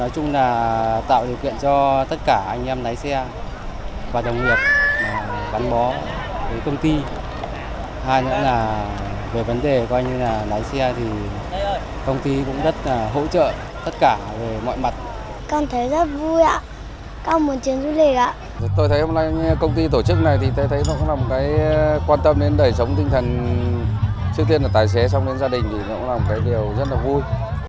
chương trình này thì tôi thấy nó cũng là một cái quan tâm đến đẩy sống tinh thần trước tiên là tài xế xong đến gia đình thì nó cũng là một cái điều rất là vui